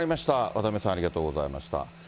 渡邊さん、ありがとうございました。